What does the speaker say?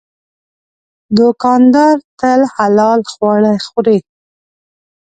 دوکاندار تل حلال خواړه خوري.